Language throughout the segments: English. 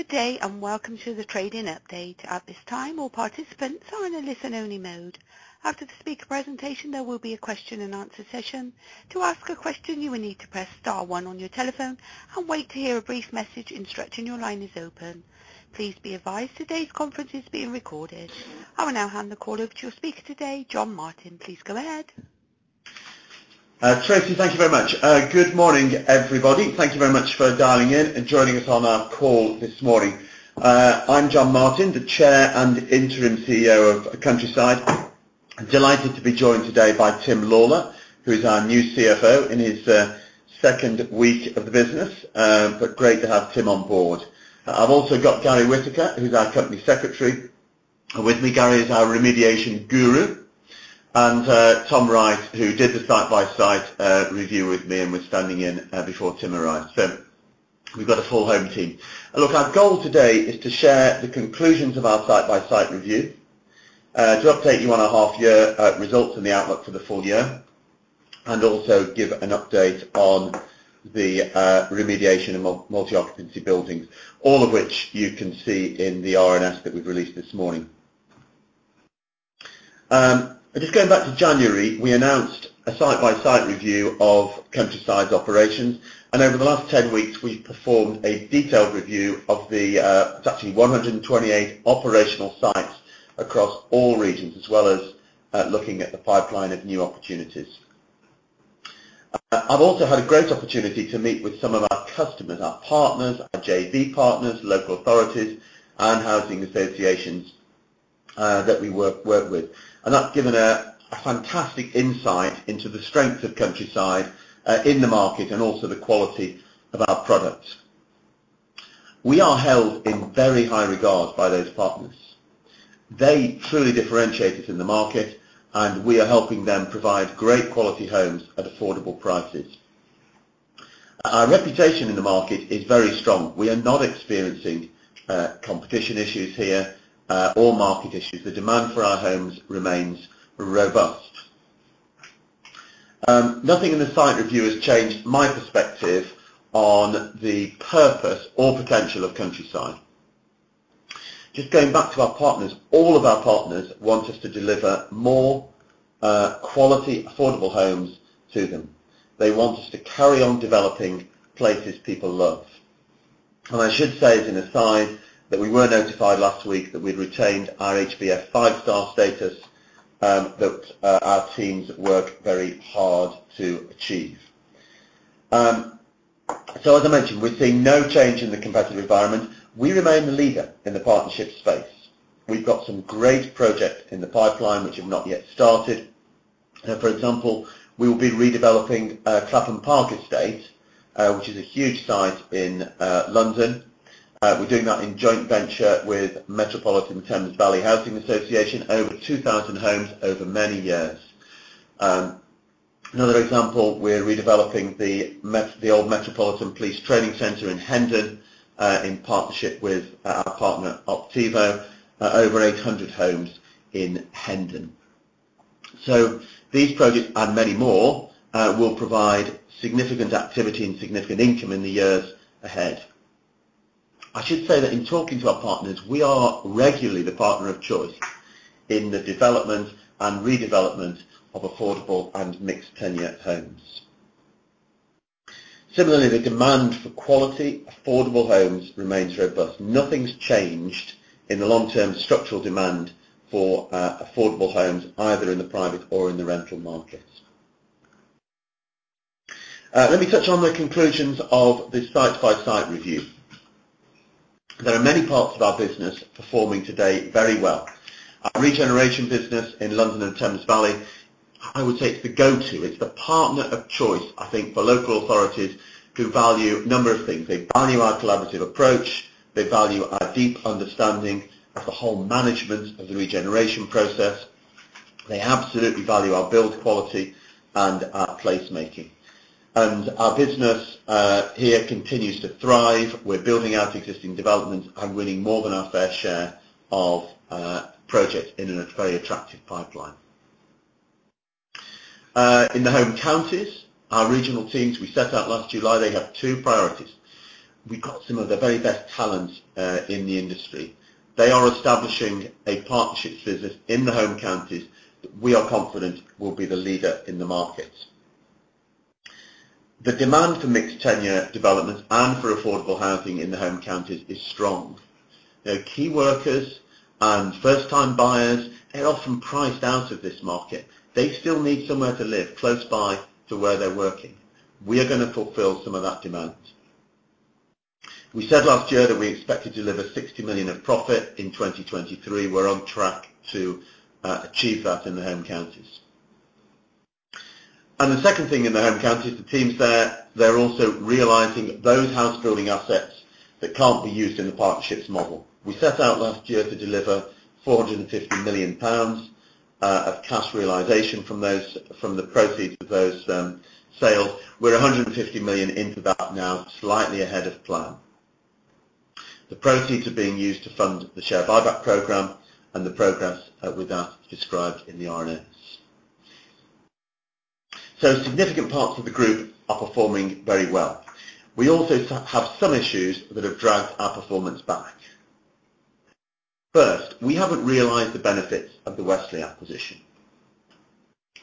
Good day, and welcome to the trading update. At this time, all participants are in a listen-only mode. After the speaker presentation, there will be a question-and-answer session. To ask a question, you will need to press star one on your telephone and wait to hear a brief message instructing your line is open. Please be advised today's conference is being recorded. I will now hand the call over to your speaker today, John Martin. Please go ahead. Tracy, thank you very much. Good morning, everybody. Thank you very much for dialing in and joining us on our call this morning. I'm John Martin, the Chair and Interim CEO of Countryside. Delighted to be joined today by Tim Lawlor, who is our new CFO in his second week of the business. Great to have Tim on board. I've also got Gary Whitaker, who's our Company Secretary with me. Gary is our remediation guru, and Tom Wright, who did the site-by-site review with me and was standing in before Tim arrived. We've got a full home team. Look, our goal today is to share the conclusions of our site-by-site review, to update you on our half year results and the outlook for the full year, and also give an update on the remediation of multi-occupancy buildings, all of which you can see in the RNS that we've released this morning. Just going back to January, we announced a site-by-site review of Countryside's operations, and over the last 10 weeks we've performed a detailed review of the, it's actually 128 operational sites across all regions, as well as looking at the pipeline of new opportunities. I've also had a great opportunity to meet with some of our customers, our partners, our JV partners, local authorities and housing associations that we work with. That's given fantastic insight into the strength of Countryside in the market and also the quality of our products. We are held in very high regards by those partners. They truly differentiate us in the market, and we are helping them provide great quality homes at affordable prices. Our reputation in the market is very strong. We are not experiencing competition issues here or market issues. The demand for our homes remains robust. Nothing in the site review has changed my perspective on the purpose or potential of Countryside. Just going back to our partners, all of our partners want us to deliver more quality, affordable homes to them. They want us to carry on developing places people love. I should say as an aside that we were notified last week that we'd retained our HBF five-star status that our teams work very hard to achieve. As I mentioned, we're seeing no change in the competitive environment. We remain the leader in the partnership space. We've got some great projects in the pipeline which have not yet started. For example, we will be redeveloping Clapham Park Estate, which is a huge site in London. We're doing that in joint venture with Metropolitan Thames Valley Housing Association, over 2,000 homes over many years. Another example, we're redeveloping the old Metropolitan Police Training Center in Hendon, in partnership with our partner, Optivo, over 800 homes in Hendon. These projects and many more will provide significant activity and significant income in the years ahead. I should say that in talking to our partners, we are regularly the partner of choice in the development and redevelopment of affordable and mixed tenure homes. Similarly, the demand for quality, affordable homes remains robust. Nothing's changed in the long-term structural demand for affordable homes, either in the private or in the rental market. Let me touch on the conclusions of the site-by-site review. There are many parts of our business performing today very well. Our regeneration business in London and Thames Valley, I would say it's the go-to. It's the partner of choice, I think, for local authorities who value a number of things. They value our collaborative approach. They value our deep understanding of the whole management of the regeneration process. They absolutely value our build quality and our placemaking. Our business here continues to thrive. We're building out existing developments and winning more than our fair share of projects in a very attractive pipeline. In the home counties, our regional teams, we set out last July, they have two priorities. We got some of the very best talents in the industry. They are establishing a partnerships business in the home counties that we are confident will be the leader in the market. The demand for mixed tenure developments and for affordable housing in the home counties is strong. Key workers and first-time buyers, they're often priced out of this market. They still need somewhere to live close by to where they're working. We are gonna fulfill some of that demand. We said last year that we expect to deliver 60 million of profit in 2023. We're on track to achieve that in the home counties. The second thing in the home counties, the teams there, they're also realizing those housebuilding assets that can't be used in the partnerships model. We set out last year to deliver 450 million pounds of cash realization from the proceeds of those sales. We're 150 million into that now, slightly ahead of plan. The proceeds are being used to fund the share buyback program and the progress with that described in the RNS. Significant parts of the group are performing very well. We also have some issues that have dragged our performance back. First, we haven't realized the benefits of the Westleigh acquisition.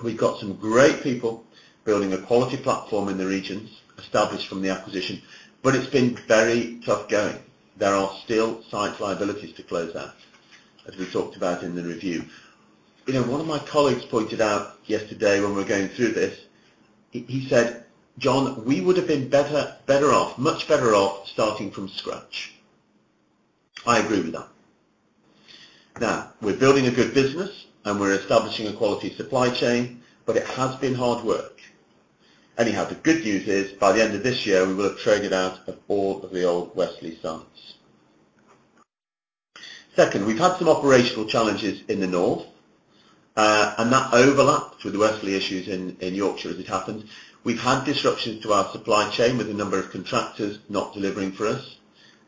We've got some great people building a quality platform in the regions established from the acquisition, but it's been very tough going. There are still site liabilities to close out, as we talked about in the review. You know, one of my colleagues pointed out yesterday when we were going through this, he said, "John, we would've been better off, much better off starting from scratch." I agree with that. Now, we're building a good business, and we're establishing a quality supply chain, but it has been hard work. Anyhow, the good news is, by the end of this year, we will have traded out of all of the old Westleigh sites. Second, we've had some operational challenges in the North, and that overlapped with the Westleigh issues in Yorkshire as it happened. We've had disruptions to our supply chain with a number of contractors not delivering for us.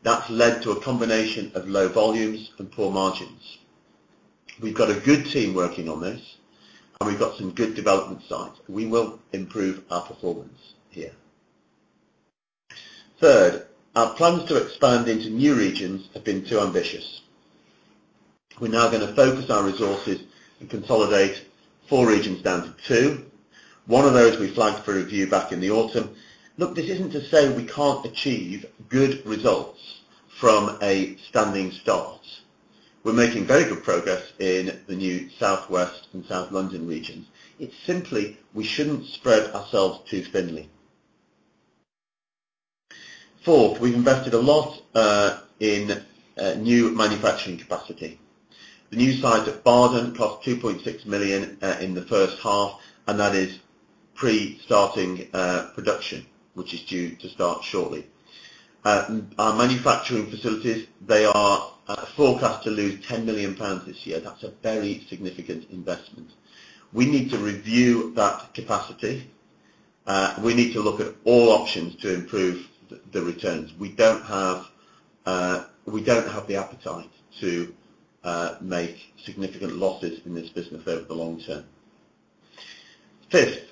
That's led to a combination of low volumes and poor margins. We've got a good team working on this, and we've got some good development sites. We will improve our performance here. Third, our plans to expand into new regions have been too ambitious. We're now gonna focus our resources and consolidate four regions down to two. One of those we flagged for review back in the autumn. Look, this isn't to say we can't achieve good results from a standing start. We're making very good progress in the new southwest and south London regions. It's simply we shouldn't spread ourselves too thinly. Fourth, we've invested a lot in new manufacturing capacity. The new site at Bardon cost 2.6 million in the H1, that is pre starting production, which is due to start shortly. Our manufacturing facilities, they are forecast to lose 10 million pounds this year. That's a very significant investment. We need to review that capacity. We need to look at all options to improve the returns. We don't have the appetite to make significant losses in this business over the long term. Fifth,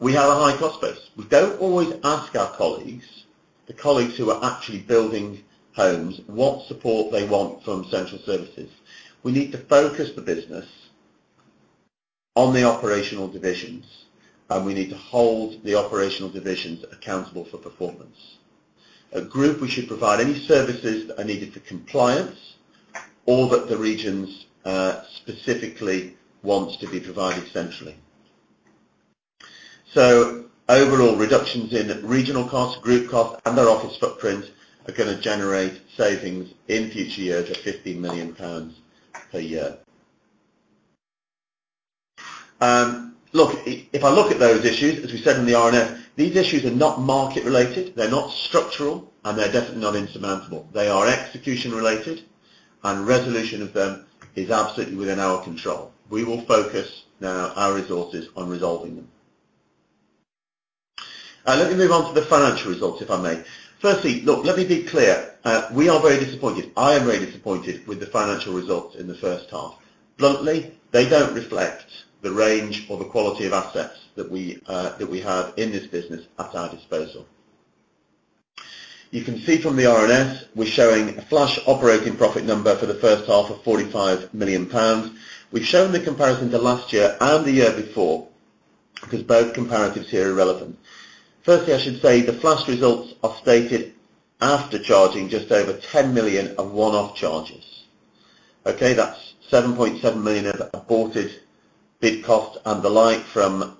we have a high cost base. We don't always ask our colleagues, the colleagues who are actually building homes, what support they want from central services. We need to focus the business on the operational divisions, and we need to hold the operational divisions accountable for performance. Our group we should provide any services that are needed for compliance or that the regions specifically wants to be provided centrally. Overall, reductions in regional costs, group costs, and their office footprint are gonna generate savings in future years of 50 million pounds per year. Look, if I look at those issues, as we said in the RNS, these issues are not market related, they're not structural, and they're definitely not insurmountable. They are execution related, and resolution of them is absolutely within our control. We will focus now our resources on resolving them. Let me move on to the financial results, if I may. Firstly, look, let me be clear, we are very disappointed, I am very disappointed with the financial results in the H1. Bluntly, they don't reflect the range or the quality of assets that we have in this business at our disposal. You can see from the RNS, we're showing a full operating profit number for the H1 of 45 million pounds. We've shown the comparison to last year and the year before, because both comparatives here are relevant. Firstly, I should say the full results are stated after charging just over 10 million of one-off charges. Okay? That's 7.7 million of aborted bid cost and the like from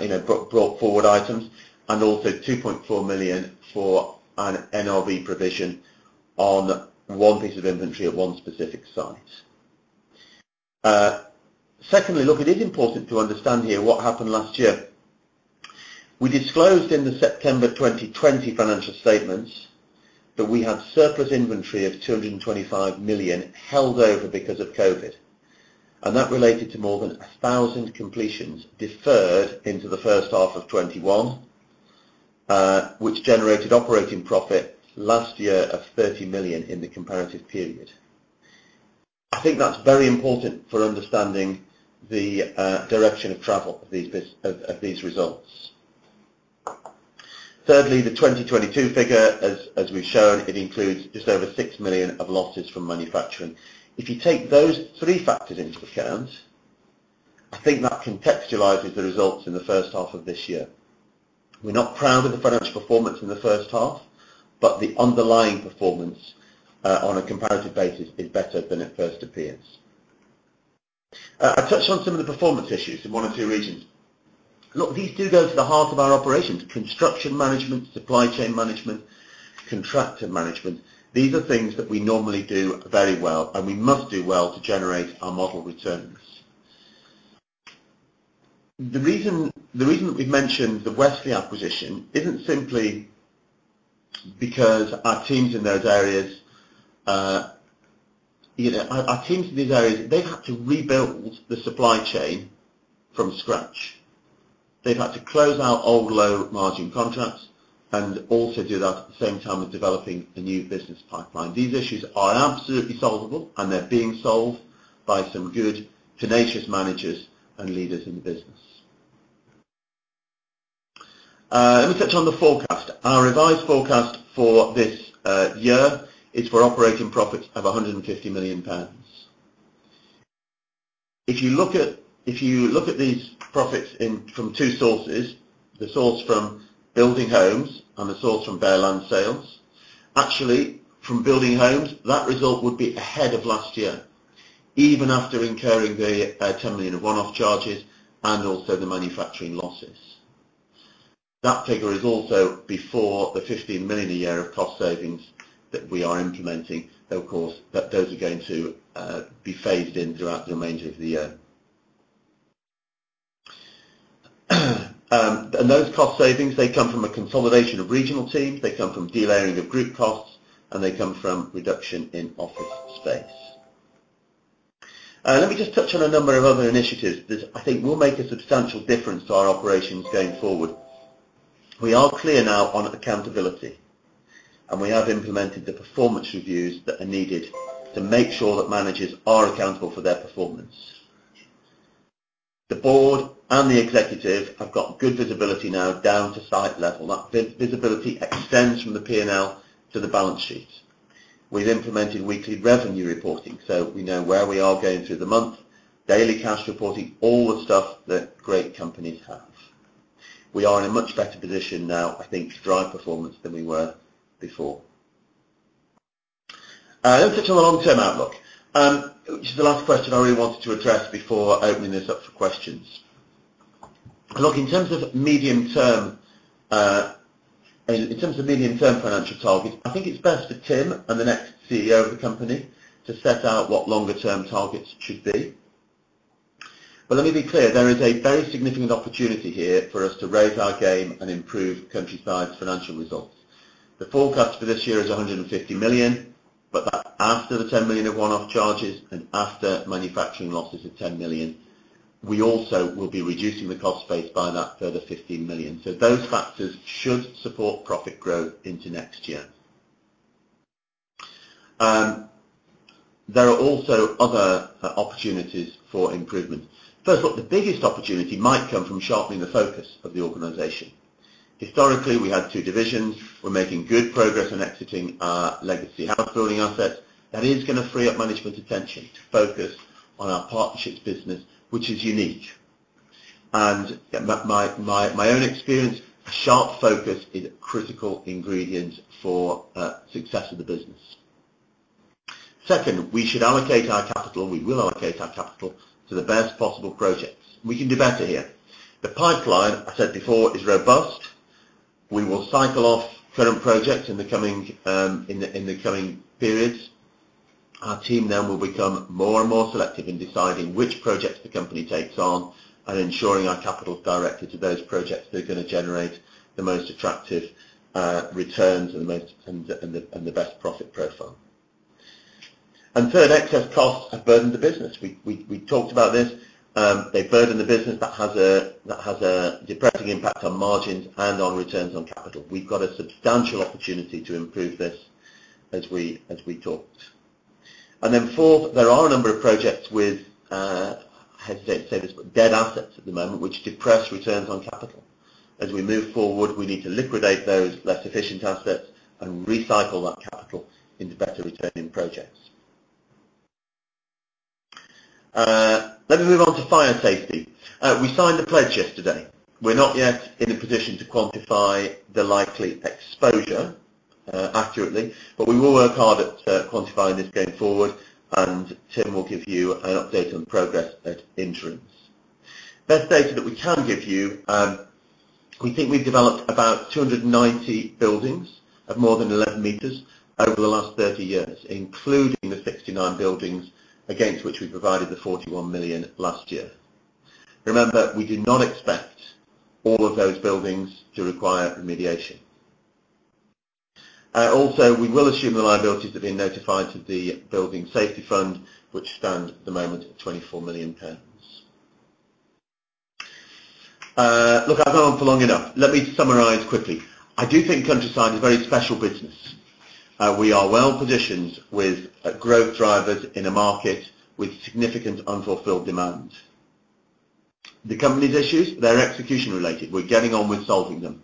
you know, brought forward items, and also 2.4 million for an NRV provision on one piece of inventory at one specific site. Secondly, look, it is important to understand here what happened last year. We disclosed in the September 2020 financial statements that we had surplus inventory of 225 million held over because of COVID, and that related to more than a thousand completions deferred into the H1 of 2021, which generated operating profit last year of 30 million in the comparative period. I think that's very important for understanding the direction of travel of these results. Thirdly, the 2022 figure, as we've shown, includes just over 6 million of losses from manufacturing. If you take those three factors into account, I think that contextualizes the results in the H1 of this year. We're not proud of the financial performance in the H1, but the underlying performance on a comparative basis is better than it first appears. I touched on some of the performance issues in one or two regions. Look, these do go to the heart of our operations, construction management, supply chain management, contractor management. These are things that we normally do very well, and we must do well to generate our model returns. The reason that we've mentioned the Westleigh acquisition isn't simply because our teams in those areas, you know, they've had to rebuild the supply chain from scratch. They've had to close out old low margin contracts and also do that at the same time as developing a new business pipeline. These issues are absolutely solvable, and they're being solved by some good, tenacious managers and leaders in the business. Let me touch on the forecast. Our revised forecast for this year is for operating profits of 150 million pounds. If you look at these profits in from two sources, the source from building homes and the source from bare land sales, actually from building homes, that result would be ahead of last year, even after incurring the 10 million of one-off charges and also the manufacturing losses. That figure is also before the 15 million a year of cost savings that we are implementing, of course, but those are going to be phased in throughout the remainder of the year. Those cost savings, they come from a consolidation of regional teams, they come from de-layering of group costs, and they come from reduction in office space. Let me just touch on a number of other initiatives that I think will make a substantial difference to our operations going forward. We are clear now on accountability, and we have implemented the performance reviews that are needed to make sure that managers are accountable for their performance. The board and the executive have got good visibility now down to site level. That visibility extends from the P&L to the balance sheet. We've implemented weekly revenue reporting, so we know where we are going through the month, daily cash reporting, all the stuff that great companies have. We are in a much better position now, I think, to drive performance than we were before. Let's touch on the long-term outlook, which is the last question I really wanted to address before opening this up for questions. Look, in terms of medium-term financial targets, I think it's best for Tim and the next CEO of the company to set out what longer term targets should be. Let me be clear, there is a very significant opportunity here for us to raise our game and improve Countryside's financial results. The forecast for this year is 150 million, but that's after the 10 million of one-off charges and after manufacturing losses of 10 million. We also will be reducing the cost base by that further 15 million. Those factors should support profit growth into next year. There are also other opportunities for improvement. First off, the biggest opportunity might come from sharpening the focus of the organization. Historically, we had two divisions. We're making good progress in exiting our legacy housebuilding assets. That is gonna free up management's attention to focus on our partnerships business, which is unique. From my own experience, sharp focus is a critical ingredient for success of the business. Second, we should allocate our capital, we will allocate our capital to the best possible projects. We can do better here. The pipeline, I said before, is robust. We will cycle off current projects in the coming periods. Our team then will become more and more selective in deciding which projects the company takes on and ensuring our capital is directed to those projects that are gonna generate the most attractive returns and the best profit profile. Third, excess costs have burdened the business. We talked about this. They've burdened the business. That has a depressing impact on margins and on returns on capital. We've got a substantial opportunity to improve this as we talked. Then fourth, there are a number of projects with, I hesitate to say this, but dead assets at the moment, which depress returns on capital. As we move forward, we need to liquidate those less efficient assets and recycle that capital into better returning projects. Let me move on to fire safety. We signed the pledge yesterday. We're not yet in a position to quantify the likely exposure accurately, but we will work hard at quantifying this going forward, and Tim will give you an update on progress at interims. Best data that we can give you, we think we've developed about 290 buildings of more than 11 meters over the last 30 years, including the 69 buildings against which we provided the 41 million last year. Remember, we do not expect all of those buildings to require remediation. Also, we will assume the liabilities have been notified to the Building Safety Fund, which stand at the moment at 24 million pounds. Look, I've gone on for long enough. Let me summarize quickly. I do think Countryside is a very special business. We are well positioned with growth drivers in a market with significant unfulfilled demand. The company's issues, they're execution related. We're getting on with solving them.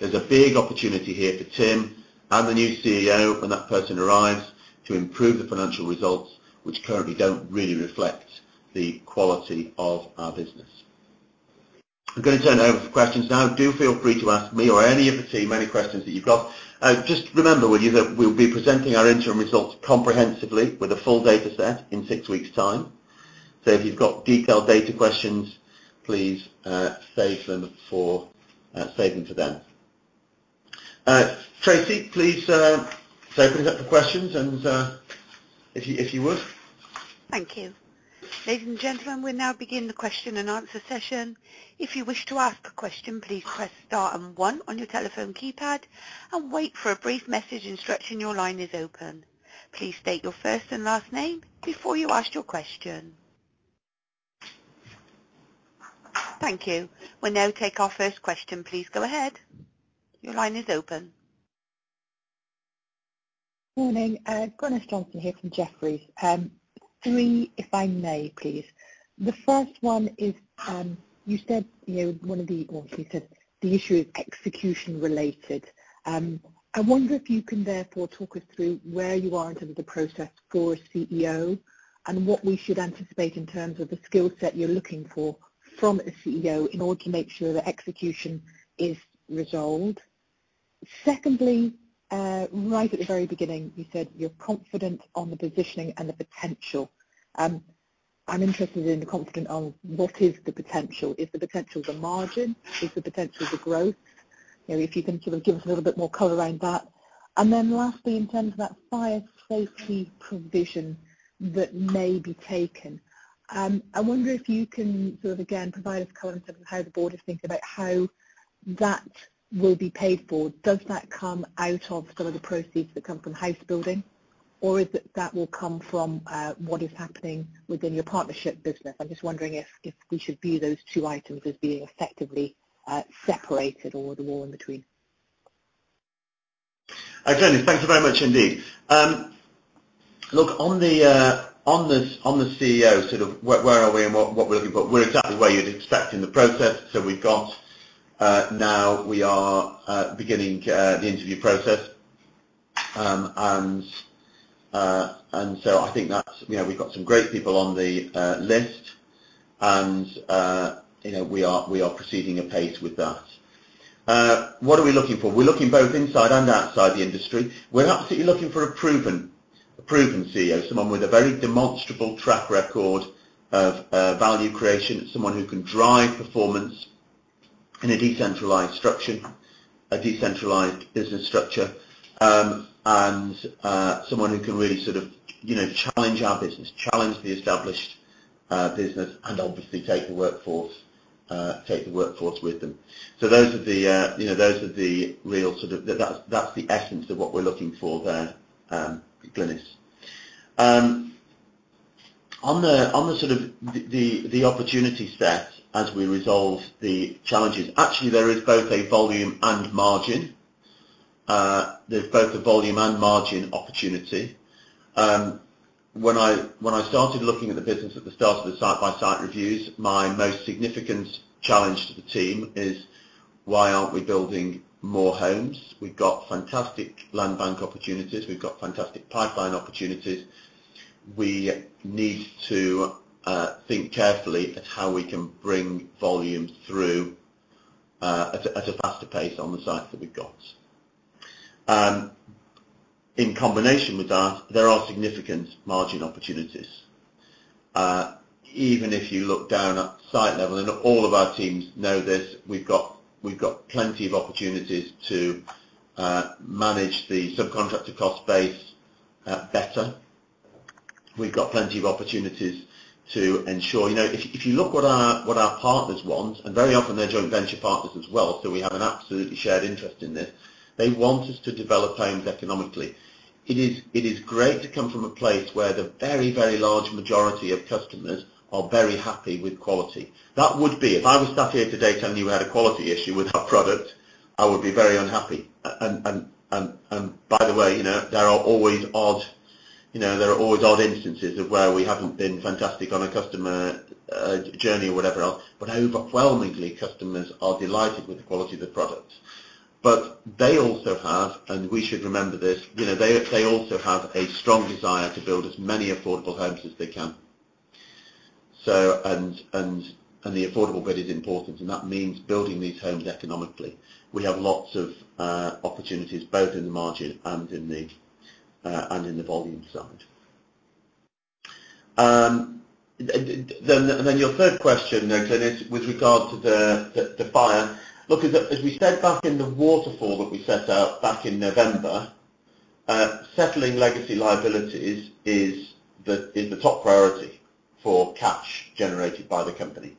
There's a big opportunity here for Tim and the new CEO, when that person arrives, to improve the financial results, which currently don't really reflect the quality of our business. I'm gonna turn it over for questions now. Do feel free to ask me or any of the team any questions that you've got. Just remember, we'll be presenting our interim results comprehensively with a full data set in six weeks' time. So if you've got detailed data questions, please save them for then. Tracy, please open it up for questions and if you would. Thank you. Ladies and gentlemen, we now begin the question and answer session. If you wish to ask a question, please press star and one on your telephone keypad and wait for a brief message instructing your line is open. Please state your first and last name before you ask your question. Thank you. We'll now take our first question. Please go ahead. Your line is open. Morning, Glynis Johnson here from Jefferies. Three, if I may, please. The first one is, you know, well, you said the issue is execution related. I wonder if you can therefore talk us through where you are in terms of the process for a CEO and what we should anticipate in terms of the skill set you're looking for from a CEO in order to make sure that execution is resolved. Secondly, right at the very beginning, you said you're confident on the positioning and the potential. I'm interested in what you're confident on, what is the potential. Is the potential the margin? Is the potential the growth? You know, if you can sort of give us a little bit more color around that. Lastly, in terms of that fire safety provision that may be taken, I wonder if you can sort of, again, provide us color in terms of how the board is thinking about how that will be paid for. Does that come out of some of the proceeds that come from house building, or is it that will come from what is happening within your partnership business? I'm just wondering if we should view those two items as being effectively separated or the wall in between. Glenys, thank you very much indeed. Look, on the CEO sort of where are we and what we're looking for, we're exactly where you'd expect in the process. We are beginning the interview process. I think that's, you know, we've got some great people on the list and, you know, we are proceeding apace with that. What are we looking for? We're looking both inside and outside the industry. We're absolutely looking for a proven CEO, someone with a very demonstrable track record of value creation. Someone who can drive performance in a decentralized structure, a decentralized business structure, and someone who can really sort of, you know, challenge our business. Challenge the established business, and obviously take the workforce with them. Those are the, you know, those are the real sort of. That's the essence of what we're looking for there, Glynis. On the sort of the opportunity set as we resolve the challenges, actually there is both a volume and margin. There's both a volume and margin opportunity. When I started looking at the business at the start of the site-by-site reviews, my most significant challenge to the team is why aren't we building more homes? We've got fantastic land bank opportunities. We've got fantastic pipeline opportunities. We need to think carefully at how we can bring volume through, at a faster pace on the sites that we've got. In combination with that, there are significant margin opportunities. Even if you look down at site level, and all of our teams know this, we've got plenty of opportunities to manage the subcontractor cost base better. We've got plenty of opportunities to ensure. You know, if you look what our partners want, and very often they're joint venture partners as well, so we have an absolutely shared interest in this. They want us to develop homes economically. It is great to come from a place where the very large majority of customers are very happy with quality. That would be, if I was sat here today telling you we had a quality issue with our product, I would be very unhappy. By the way, you know, there are always odd instances of where we haven't been fantastic on a customer journey or whatever else, but overwhelmingly customers are delighted with the quality of the products. They also have a strong desire to build as many affordable homes as they can, and we should remember this, you know. The affordable bit is important, and that means building these homes economically. We have lots of opportunities both in the margin and in the volume side. Your third question then, Glynis, with regard to the fire. Look, as we said back in the waterfall that we set out back in November, settling legacy liabilities is the top priority for cash generated by the company.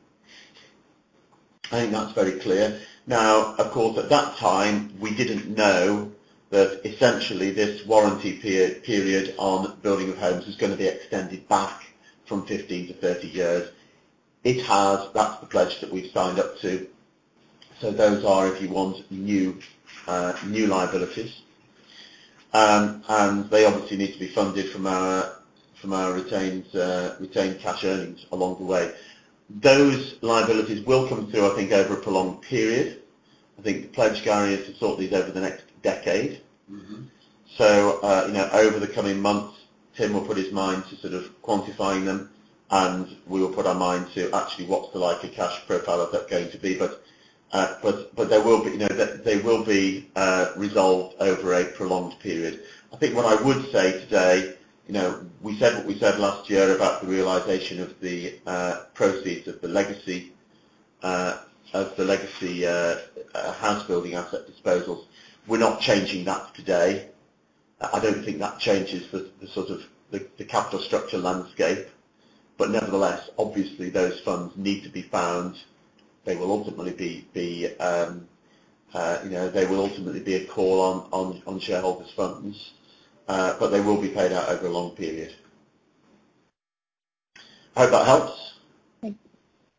I think that's very clear. Now, of course, at that time, we didn't know that essentially this warranty period on building of homes was gonna be extended back from 15 to 30 years. It has. That's the pledge that we've signed up to. Those are, if you want, new liabilities. They obviously need to be funded from our retained cash earnings along the way. Those liabilities will come through, I think, over a prolonged period. I think the pledge, Gary, is to sort these over the next decade. Mm-hmm. You know, over the coming months, Tim will put his mind to sort of quantifying them, and we will put our mind to actually what's the likely cash profile of that going to be. There will be, you know, they will be resolved over a prolonged period. I think what I would say today, you know, we said what we said last year about the realization of the proceeds of the legacy house building asset disposals. We're not changing that today. I don't think that changes the capital structure landscape. Nevertheless, obviously those funds need to be found. They will ultimately be a call on shareholders' funds. They will be paid out over a long period. Hope that helps.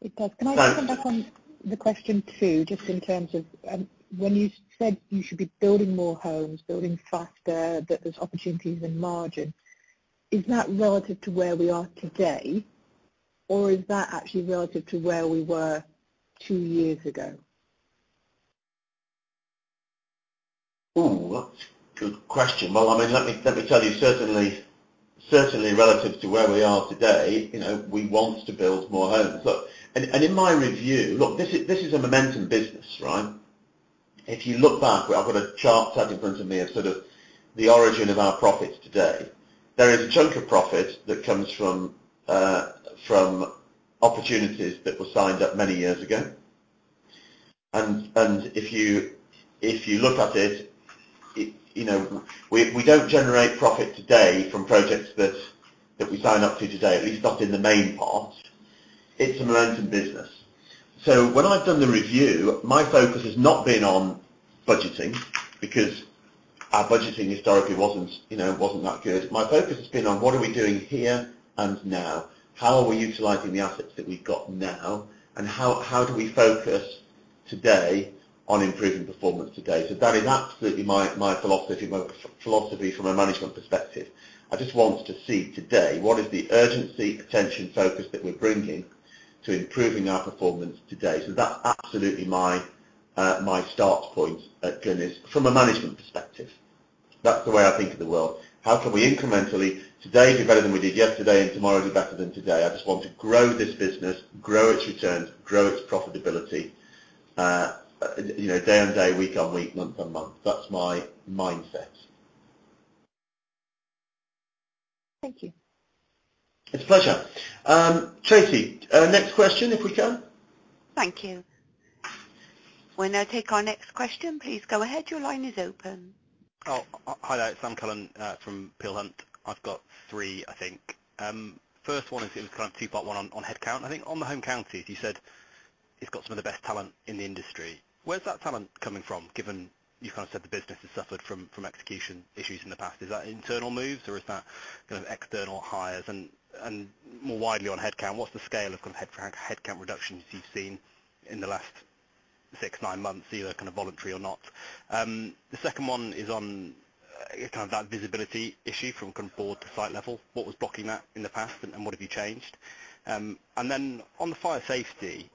It does. Thanks. Can I just come back on the question two, just in terms of, when you said you should be building more homes, building faster, that there's opportunities in margin, is that relative to where we are today, or is that actually relative to where we were two years ago? Ooh, that's a good question. Well, I mean, let me tell you certainly relative to where we are today, you know, we want to build more homes. Look, in my review. Look, this is a momentum business, right? If you look back, I've got a chart sat in front of me of sort of the origin of our profits today. There is a chunk of profit that comes from opportunities that were signed up many years ago. If you look at it, you know, we don't generate profit today from projects that we sign up to today, at least not in the main part. It's a momentum business. When I've done the review, my focus has not been on budgeting, because our budgeting historically wasn't, you know, that good. My focus has been on what are we doing here and now? How are we utilizing the assets that we've got now? How do we focus today on improving performance today? That is absolutely my philosophy from a management perspective. I just want to see today what is the urgency, attention, focus that we're bringing to improving our performance today. That's absolutely my start point at Guinness from a management perspective. That's the way I think of the world. How can we incrementally today do better than we did yesterday and tomorrow do better than today? I just want to grow this business, grow its returns, grow its profitability, you know, day on day, week on week, month on month. That's my mindset. Thank you. It's a pleasure. Tracy, next question if we can. Thank you. We'll now take our next question. Please go ahead. Your line is open. Oh, hi there. It's Sam Cullen from Peel Hunt. I've got three, I think. First one is kind of two part, one on headcount. I think on the Home Counties, you said it's got some of the best talent in the industry. Where's that talent coming from, given you kind of said the business has suffered from execution issues in the past? Is that internal moves or is that, kind of, external hires? And more widely on headcount, what's the scale of, kind of, headcount reductions you've seen in the last six, nine months, either kind of voluntary or not? The second one is on kind of that visibility issue from kind of board to site level. What was blocking that in the past and what have you changed? On the fire safety,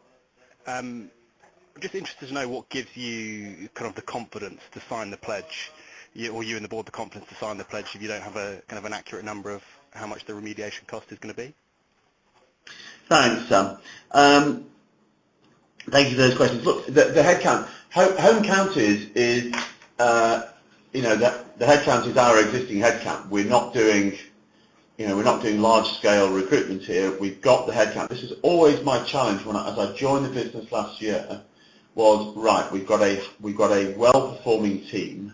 just interested to know what gives you kind of the confidence to sign the pledge, you or you and the board, if you don't have a kind of an accurate number of how much the remediation cost is gonna be. Thanks, Sam. Thank you for those questions. Look, the headcount. Home Counties is, you know, the headcount is our existing headcount. We're not doing large scale recruitment here. We've got the headcount. This was always my challenge when I joined the business last year, was right, we've got a well-performing team.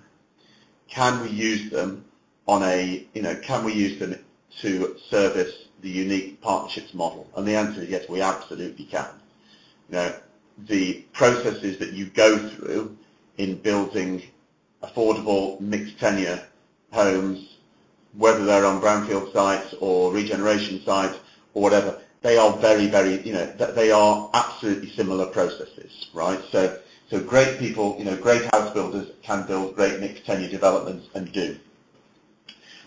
Can we use them on a. You know, can we use them to service the unique partnerships model? The answer is yes, we absolutely can. You know, the processes that you go through in building affordable mixed tenure homes, whether they're on brownfield sites or regeneration sites or whatever, they are very. They are absolutely similar processes, right? Great people, you know, great house builders can build great mixed tenure developments and do.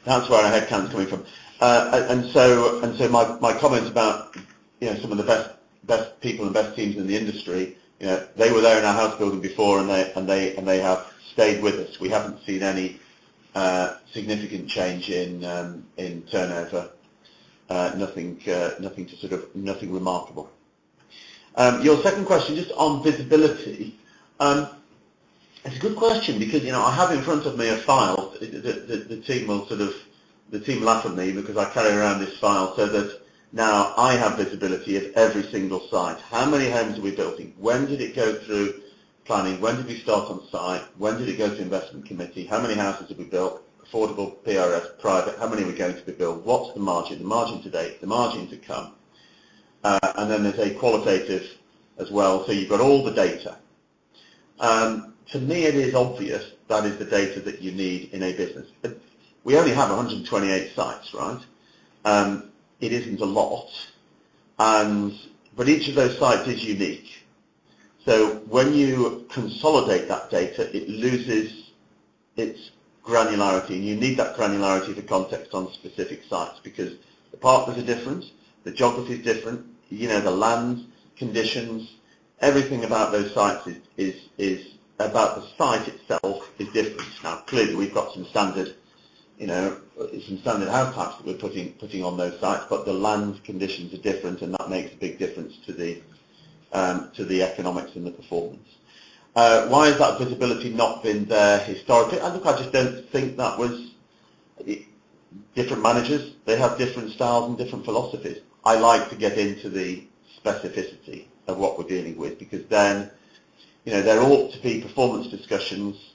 That's where our headcount is coming from. My comments about, you know, some of the best people and best teams in the industry, you know, they were there in our housebuilding before, and they have stayed with us. We haven't seen any significant change in turnover. Nothing remarkable. Your second question, just on visibility, it's a good question because, you know, I have in front of me a file. The team laughs at me because I carry around this file so that now I have visibility of every single site. How many homes are we building? When did it go through planning? When did we start on site? When did it go to investment committee? How many houses have we built? Affordable, PRS, private, how many are we going to build? What's the margin? The margin to date, the margin to come. Then there's a qualitative as well. You've got all the data. To me it is obvious that is the data that you need in a business. We only have 128 sites, right? It isn't a lot. Each of those sites is unique. When you consolidate that data, it loses its granularity, and you need that granularity for context on specific sites because the partners are different, the geography is different, you know, the land conditions. Everything about those sites is about the site itself is different. Now, clearly, we've got some standard, you know, some standard house types that we're putting on those sites, but the land conditions are different, and that makes a big difference to the economics and the performance. Why has that visibility not been there historically? Look, I just don't think that was different managers. They have different styles and different philosophies. I like to get into the specificity of what we're dealing with, because then you know, there ought to be performance discussions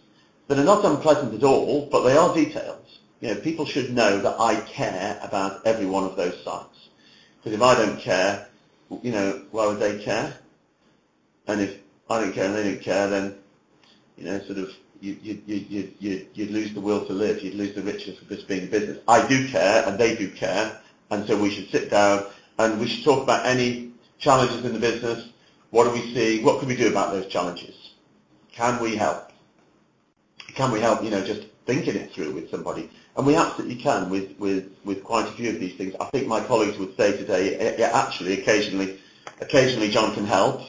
that are not unpleasant at all, but they are detailed. You know, people should know that I care about every one of those sites. Because if I don't care, you know, why would they care? If I don't care and they don't care, then, you know, sort of you'd lose the will to live. You'd lose the riches of this being a business. I do care, and they do care, so we should sit down, and we should talk about any challenges in the business. What do we see? What can we do about those challenges? Can we help? Can we help, you know, just thinking it through with somebody? We absolutely can with quite a few of these things. I think my colleagues would say today, yeah, actually, occasionally Jonathan helps.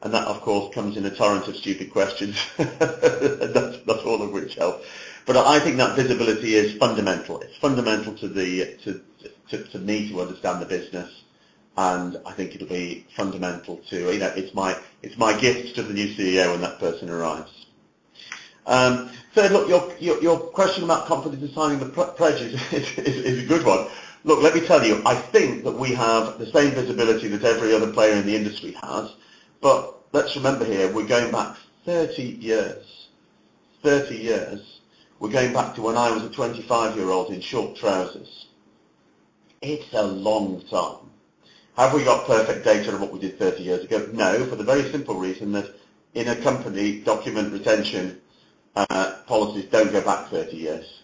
That, of course, comes in a torrent of stupid questions. That's all of which helps. I think that visibility is fundamental. It's fundamental to the, to me to understand the business, and I think it'll be fundamental to, you know. It's my gift to the new CEO when that person arrives. Look, your question about confidence in signing the pledge is a good one. Look, let me tell you, I think that we have the same visibility that every other player in the industry has. Let's remember here, we're going back 30 years. We're going back to when I was a 25-year-old in short trousers. It's a long time. Have we got perfect data on what we did 30 years ago? No, for the very simple reason that in a company, document retention policies don't go back 30 years.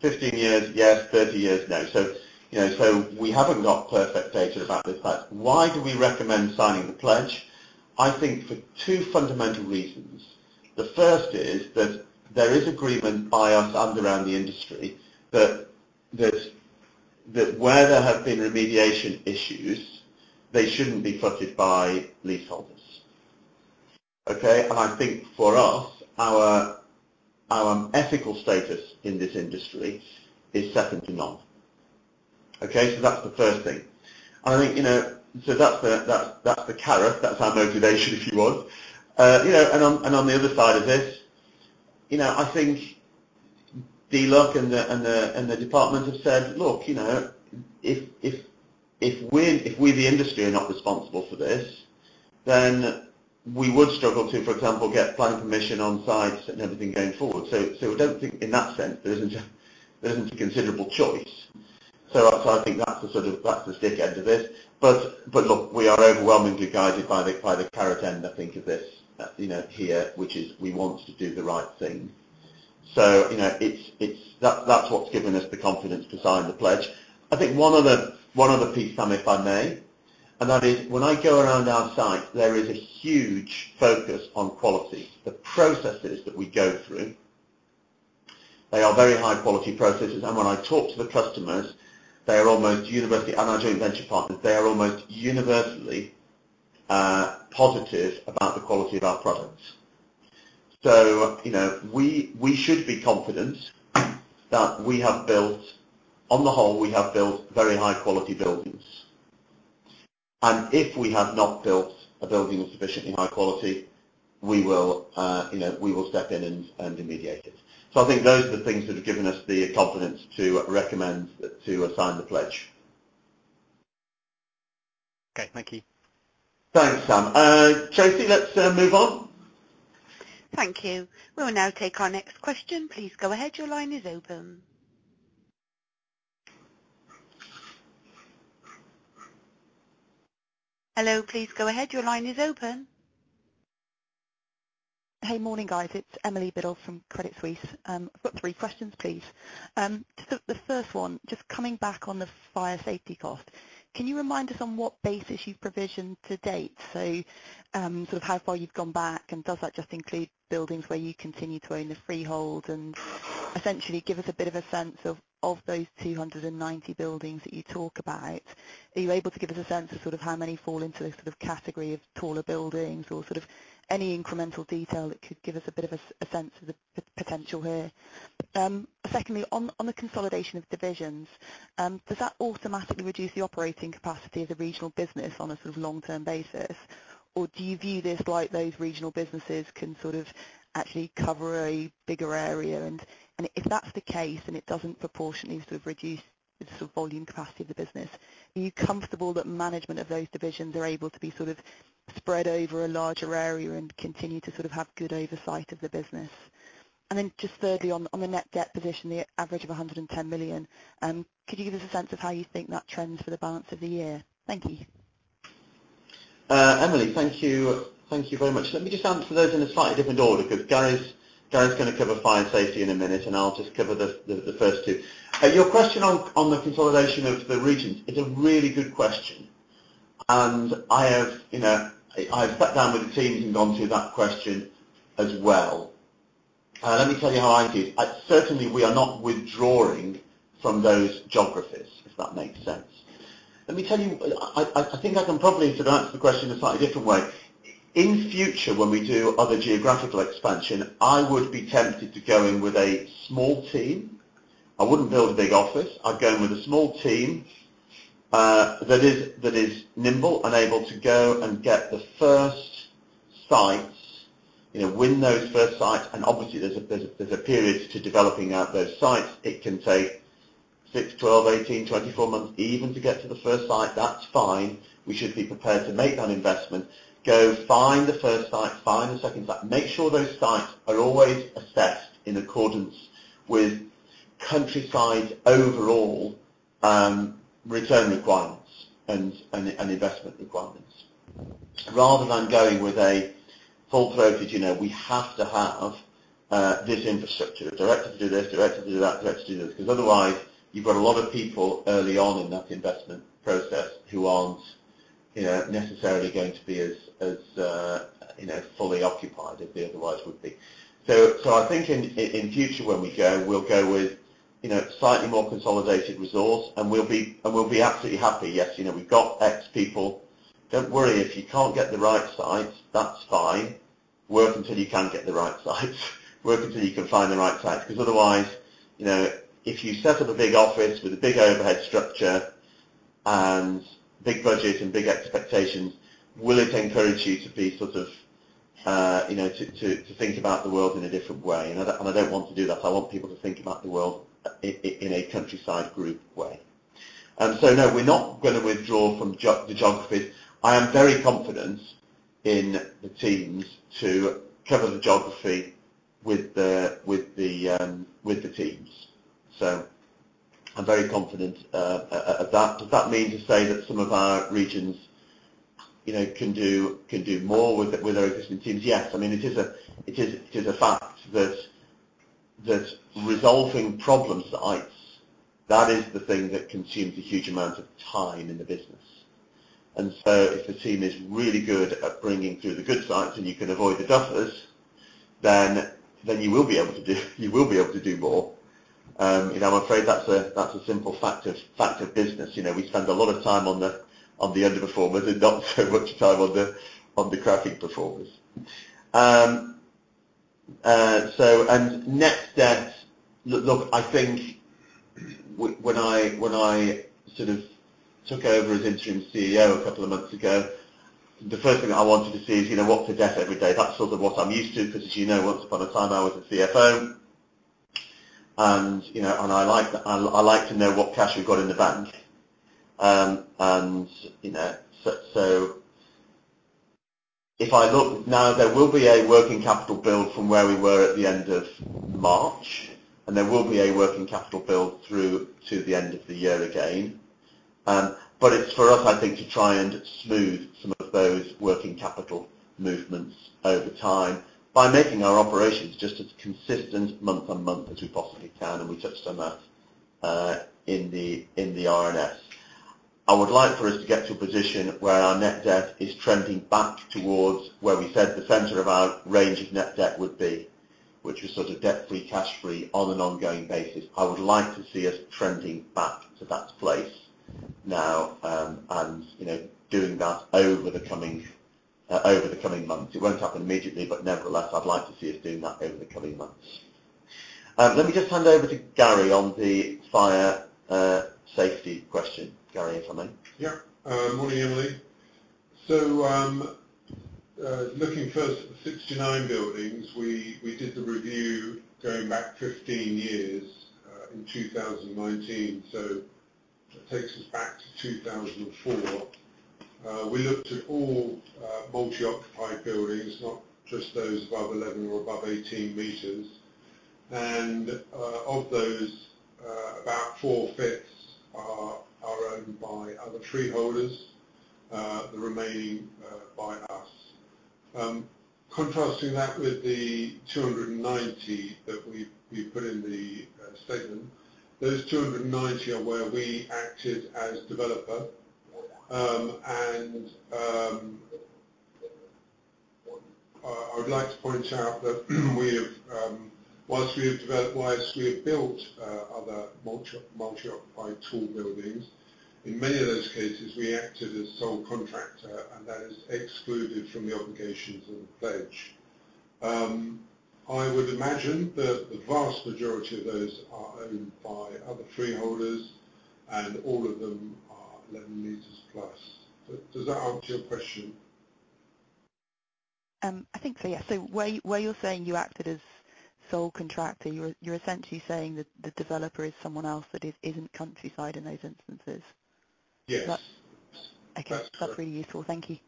15 years, yes. 30 years, no. You know, we haven't got perfect data about this fact. Why do we recommend signing the pledge? I think for two fundamental reasons. The first is that there is agreement by us and around the industry that where there have been remediation issues, they shouldn't be footed by leaseholders. Okay? I think for us, our ethical status in this industry is second to none. Okay? That's the first thing. I think, you know, that's the carrot. That's our motivation, if you want. You know, and on the other side of this, you know, I think DLUHC and the department have said, "Look, you know, if we the industry are not responsible for this, then we would struggle to, for example, get planning permission on sites and everything going forward." I don't think in that sense, there isn't a considerable choice. I think that's the sort of, that's the stick end of this. But look, we are overwhelmingly guided by the carrot end, I think of this, you know, here, which is we want to do the right thing. You know, it's. That's what's given us the confidence to sign the pledge. I think one other piece, Sam, if I may, and that is when I go around our site, there is a huge focus on quality. The processes that we go through, they are very high-quality processes. When I talk to the customers, they are almost universally, and our joint venture partners, they are almost universally positive about the quality of our products. You know, we should be confident that we have built. On the whole, we have built very high-quality buildings. If we have not built a building of sufficiently high quality, we will, you know, step in and remediate it. I think those are the things that have given us the confidence to recommend to sign the pledge. Okay. Thank you. Thanks, Sam. Tracy, let's move on. Thank you. We will now take our next question. Please go ahead. Your line is open. Hello. Please go ahead. Your line is open. Hey. Morning, guys. It's Emily Biddle from Credit Suisse. I've got three questions, please. The first one, just coming back on the fire safety cost, can you remind us on what basis you've provisioned to date? Sort of how far you've gone back, and does that just include buildings where you continue to own the freehold and essentially give us a bit of a sense of those 290 buildings that you talk about, are you able to give us a sense of how many fall into the category of taller buildings or any incremental detail that could give us a bit of a sense of the potential here? Secondly, on the consolidation of divisions, does that automatically reduce the operating capacity of the regional business on a sort of long-term basis? Do you view this like those regional businesses can sort of actually cover a bigger area? If that's the case, and it doesn't proportionately sort of reduce the sort of volume capacity of the business, are you comfortable that management of those divisions are able to be sort of spread over a larger area and continue to sort of have good oversight of the business? Just thirdly, on the net debt position, the average of 110 million, could you give us a sense of how you think that trends for the balance of the year? Thank you. Emily, thank you. Thank you very much. Let me just answer those in a slightly different order 'cause Gary's gonna cover fire safety in a minute, and I'll just cover the first two. Your question on the consolidation of the regions, it's a really good question. I have, you know, I've sat down with the teams and gone through that question as well. Let me tell you how I view it. Certainly, we are not withdrawing from those geographies, if that makes sense. Let me tell you, I think I can probably sort of answer the question a slightly different way. In future, when we do other geographical expansion, I would be tempted to go in with a small team. I wouldn't build a big office. I'd go in with a small team that is nimble and able to go and get the first sites, you know, win those first sites, and obviously there's a period to developing out those sites. It can take six, 12, 18, 24 months even to get to the first site, that's fine. We should be prepared to make that investment. Go find the first site, find the second site. Make sure those sites are always assessed in accordance with Countryside's overall return requirements and investment requirements. Rather than going with a full-throated, you know, we have to have this infrastructure. Directed to do this, directed to do that, directed to do this. 'Cause otherwise, you've got a lot of people early on in that investment process who aren't, you know, necessarily going to be as, you know, fully occupied as they otherwise would be. I think in future when we go, we'll go with, you know, slightly more consolidated resource, and we'll be absolutely happy. Yes, you know we've got X people. Don't worry if you can't get the right sites, that's fine. Work until you can get the right sites. Work until you can find the right sites. 'Cause otherwise, you know, if you set up a big office with a big overhead structure and big budget and big expectations, will it encourage you to be sort of, you know, to think about the world in a different way? I don't want to do that. I want people to think about the world in a Countryside group way. No, we're not gonna withdraw from the geographies. I am very confident in the teams to cover the geography with the teams. I'm very confident at that. Does that mean to say that some of our regions, you know, can do more with our existing teams? Yes. I mean, it is a fact that resolving problem sites, that is the thing that consumes a huge amount of time in the business. If the team is really good at bringing through the good sites and you can avoid the duffers, then you will be able to do more. You know, I'm afraid that's a simple fact of business. You know, we spend a lot of time on the underperformers and not so much time on the cracking performers. So, on net debt. Look, I think when I sort of took over as interim CEO a couple of months ago, the first thing I wanted to see is, you know, what's the debt every day. That's sort of what I'm used to, 'cause as you know, once upon a time, I was a CFO. You know, I like to know what cash we've got in the bank. You know, if I look now, there will be a working capital build from where we were at the end of March, and there will be a working capital build through to the end of the year again. It's for us, I think, to try and smooth some of those working capital movements over time by making our operations just as consistent month on month as we possibly can, and we touched on that in the RNS. I would like for us to get to a position where our net debt is trending back towards where we said the center of our range of net debt would be, which was sort of debt-free, cash-free on an ongoing basis. I would like to see us trending back to that place now, and, you know, doing that over the coming months. It won't happen immediately, but nevertheless, I'd like to see us doing that over the coming months. Let me just hand over to Gary on the fire safety question. Gary, if I may. Morning, Emily. Looking first at the 69 buildings, we did the review going back 15 years in 2019, so that takes us back to 2004. We looked at all multi-occupied buildings, not just those above 11 or above 18 meters. Of those, about 4/5 are owned by other freeholders, the remaining by us. Contrasting that with the 290 that we put in the statement, those 290 are where we acted as developer. I would like to point out that we have whilst we have developed, whilst we have built other multi-occupied tall buildings, in many of those cases we acted as sole contractor, and that is excluded from the obligations of the pledge. I would imagine that the vast majority of those are owned by other freeholders, and all of them are 11 meters plus. Does that answer your question? I think so, yes. Where you're saying you acted as sole contractor, you're essentially saying that the developer is someone else that is, isn't Countryside in those instances? Yes. Is that? That's correct. Okay. That's really useful. Thank you.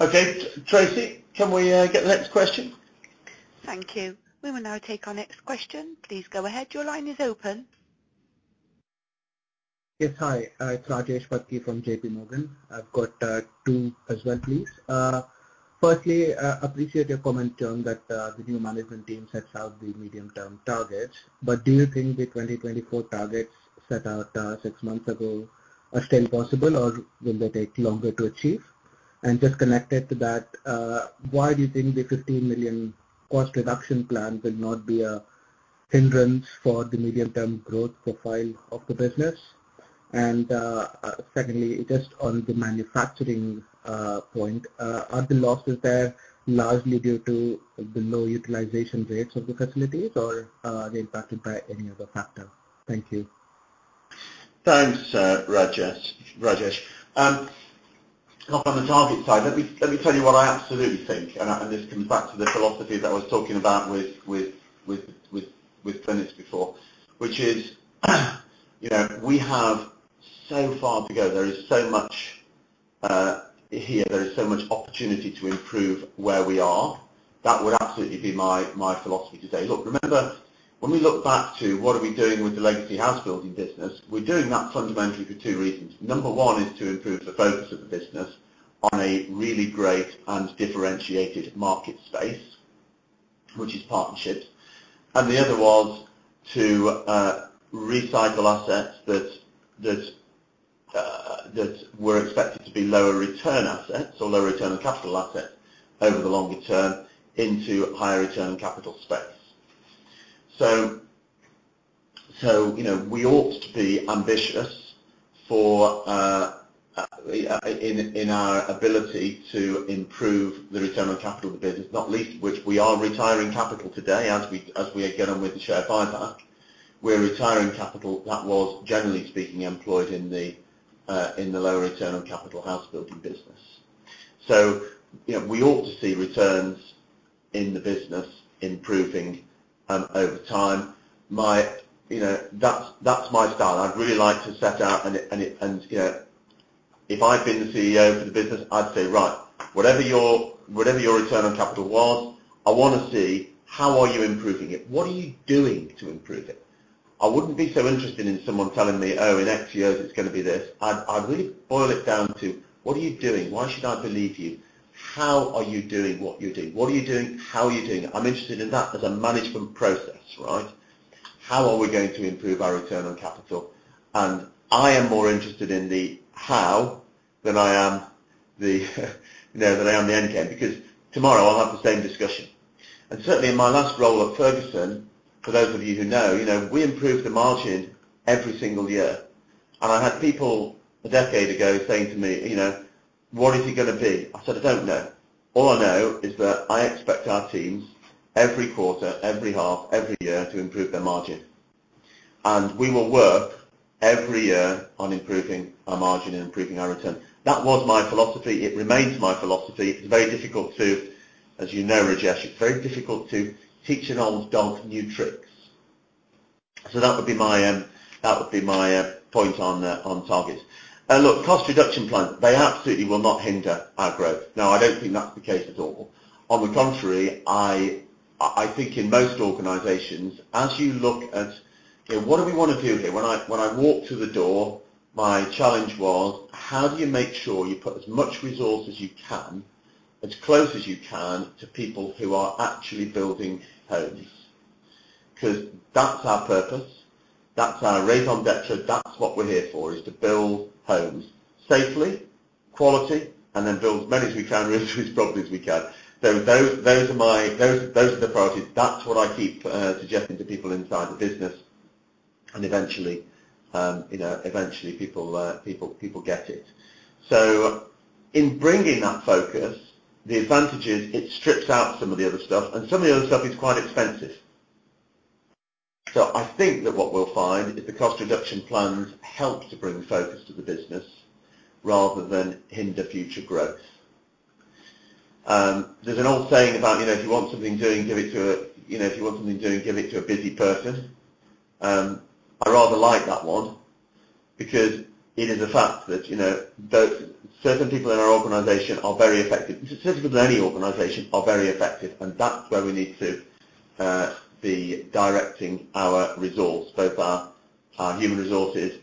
Okay. Tracy, can we get the next question? Thank you. We will now take our next question. Please go ahead. Your line is open. Yes. Hi. It's Rajesh Bhatti from JP Morgan. I've got two as well, please. Firstly, appreciate your comment, John, that the new management team sets out the medium-term targets, but do you think the 2024 targets set out six months ago are still possible, or will they take longer to achieve? Just connected to that, why do you think the 15 million cost reduction plan will not be a hindrance for the medium-term growth profile of the business? Secondly, just on the manufacturing point, are the losses there largely due to the low utilization rates of the facilities, or are they impacted by any other factor? Thank you. Thanks, Rajesh. Not on the target side, let me tell you what I absolutely think, and this comes back to the philosophy that I was talking about with Glenys before, which is, you know, we have so far to go. There is so much here. There is so much opportunity to improve where we are. That would absolutely be my philosophy today. Look, remember when we look back to what are we doing with the legacy house building business, we're doing that fundamentally for two reasons. Number one is to improve the focus of the business on a really great and differentiated market space, which is partnerships. The other was to recycle assets that were expected to be lower return assets or lower return on capital assets over the longer term into higher return capital space. You know, we ought to be ambitious in our ability to improve the return on capital of the business, not least, which we are retiring capital today, as we get on with the share buyback. We're retiring capital that was, generally speaking, employed in the lower return on capital house building business. You know, we ought to see returns in the business improving over time. You know, that's my style. I'd really like to set out and it. You know, if I'd been the CEO for the business, I'd say, "Right, whatever your return on capital was, I wanna see how are you improving it? What are you doing to improve it?" I wouldn't be so interested in someone telling me, "Oh, in X years it's gonna be this." I'd really boil it down to, what are you doing? Why should I believe you? How are you doing what you're doing? What are you doing? How are you doing it? I'm interested in that as a management process, right? How are we going to improve our return on capital? I am more interested in the how than I am the, you know, than I am the end game, because tomorrow I'll have the same discussion. Certainly in my last role at Ferguson, for those of you who know, you know, we improved the margin every single year. I had people a decade ago saying to me, you know, "What is it gonna be?" I said, "I don't know. All I know is that I expect our teams every quarter, every half, every year to improve their margin. And we will work every year on improving our margin and improving our return." That was my philosophy. It remains my philosophy. It's very difficult to teach an old dog new tricks, as you know, Rajesh. That would be my point on targets. Look, cost reduction plans, they absolutely will not hinder our growth. No, I don't think that's the case at all. On the contrary, I think in most organizations, as you look at, you know, what do we wanna do here? When I walked through the door, my challenge was, how do you make sure you put as much resource as you can, as close as you can, to people who are actually building homes? 'Cause that's our purpose, that's our raison d'être, that's what we're here for, is to build homes safely, quality, and then build as many as we can really as quickly as we can. Those are the priorities. That's what I keep suggesting to people inside the business and eventually, you know, people get it. In bringing that focus, the advantage is it strips out some of the other stuff, and some of the other stuff is quite expensive. I think that what we'll find is the cost reduction plans help to bring focus to the business rather than hinder future growth. There's an old saying about, you know, if you want something doing, give it to a busy person. I rather like that one because it is a fact that, you know, certain people in our organization are very effective. That's where we need to be directing our resource, both our human resources,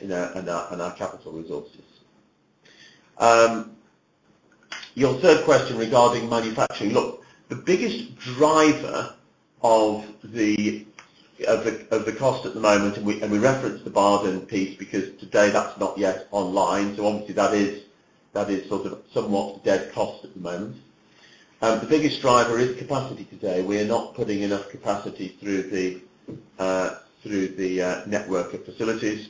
you know, and our capital resources. Your third question regarding manufacturing. Look, the biggest driver of the cost at the moment, and we referenced the Bardon piece because today that's not yet online, so obviously that is sort of somewhat dead cost at the moment. The biggest driver is capacity today. We are not putting enough capacity through the network of facilities.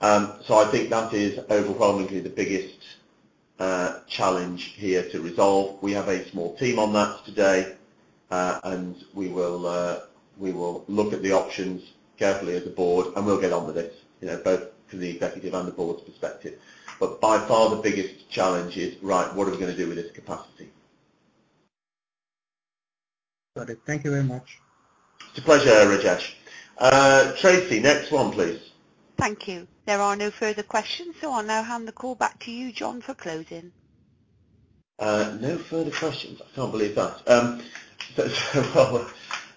So I think that is overwhelmingly the biggest challenge here to resolve. We have a small team on that today. We will look at the options carefully as a board and we'll get on with this, you know, both from the executive and the board's perspective. By far the biggest challenge is, right, what are we gonna do with this capacity? Got it. Thank you very much. It's a pleasure, Rajesh. Tracy, next one please. Thank you. There are no further questions, so I'll now hand the call back to you, John, for closing. No further questions. I can't believe that. Well,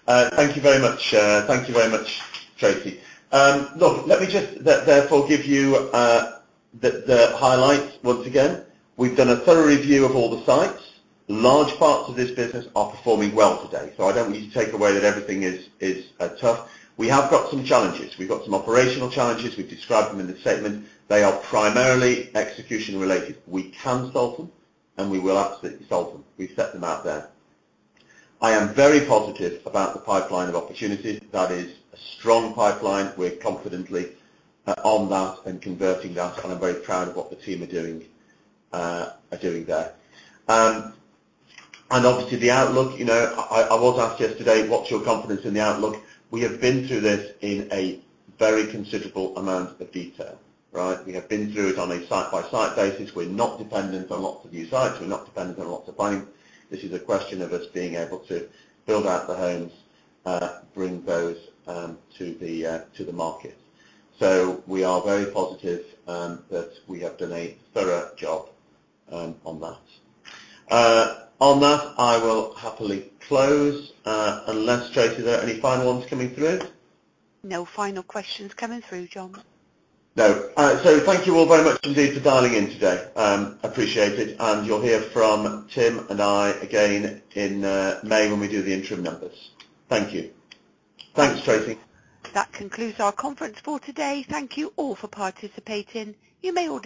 thank you very much. Thank you very much, Tracy. Look, let me just therefore give you the highlights once again. We've done a thorough review of all the sites. Large parts of this business are performing well today, so I don't want you to take away that everything is tough. We have got some challenges. We've got some operational challenges. We've described them in the statement. They are primarily execution related. We can solve them, and we will absolutely solve them. We've set them out there. I am very positive about the pipeline of opportunities. That is a strong pipeline. We're confidently on that and converting that, and I'm very proud of what the team are doing there. Obviously the outlook, you know, I was asked yesterday, what's your confidence in the outlook? We have been through this in a very considerable amount of detail, right? We have been through it on a site-by-site basis. We're not dependent on lots of new sites. We're not dependent on lots of land. This is a question of us being able to build out the homes, bring those to the market. We are very positive that we have done a thorough job on that. I will happily close. Unless, Tracy, there are any final ones coming through? No final questions coming through, John. Thank you all very much indeed for dialing in today. Appreciate it. You'll hear from Tim and I again in May when we do the interim numbers. Thank you. Thanks, Tracy. That concludes our conference for today. Thank you all for participating. You may all disconnect.